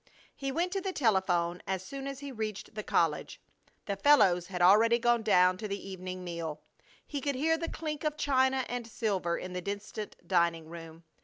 He went to the telephone as soon as he reached the college. The fellows had already gone down to the evening meal. He could hear the clink of china and silver in the distant dining room.